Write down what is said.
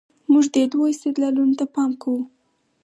موږ دې دوو استدلالونو ته پام کوو.